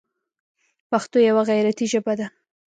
پښتو یوه غیرتي ژبه ده.